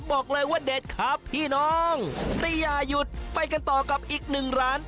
บอกเลยว่าเด็ดครับพี่น้องแต่อย่าหยุดไปกันต่อกับอีกหนึ่งร้าน